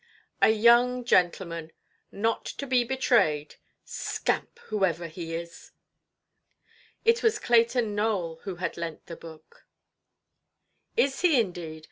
A young gentleman—not to be betrayed—scamp, whoever he is". It was Clayton Nowell who had lent the book. "Is he indeed?